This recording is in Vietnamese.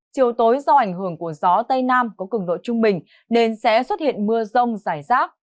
chiều tối do ảnh hưởng của gió tây nam có cường độ trung bình nên sẽ xuất hiện mưa rông rải rác